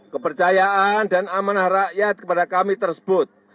kepercayaan dan amanah rakyat kepada kami tersebut